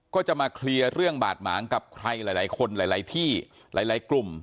ก็จะมาเคลียร์เรื่องบาดหมางกับใครหลายคนหลายที่หลายกลุ่ม